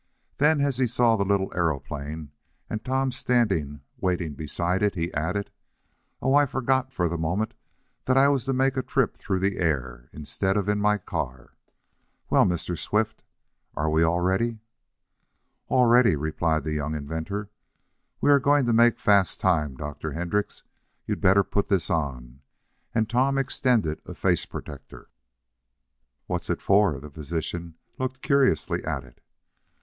Then, as he saw the little aeroplane, and Tom standing waiting beside it, he added: "Oh, I forgot for the moment that I was to make a trip through the air, instead of in my car. Well, Mr. Swift, are we all ready?" "All ready," replied the young inventor. "We're going to make fast time, Dr. Hendrix. You'd better put this on," and Tom extended a face protector. "What's it for?" The physician looked curiously at it.